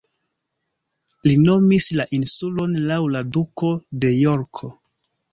Li nomis la insulon laŭ la Duko de Jorko.